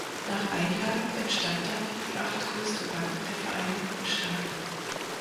Nach Einlagen entstand damit die achtgrößte Bank der Vereinigten Staaten.